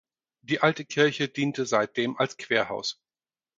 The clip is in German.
Die alte Kirche diente seitdem als Querhaus.